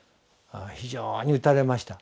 非常に打たれました。